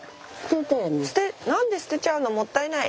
何で捨てちゃうのもったいない！